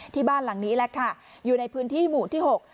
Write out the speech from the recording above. บ้านหลังนี้แหละค่ะอยู่ในพื้นที่หมู่ที่หก